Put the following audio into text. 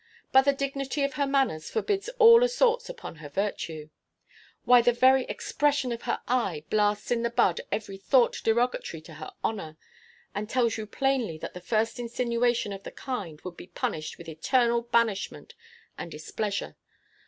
But the dignity of her manners forbids all assaults upon her virtue. Why, the very expression of her eye blasts in the bud every thought derogatory to her honor, and tells you plainly that the first insinuation of the kind would be punished with eternal banishment and displeasure.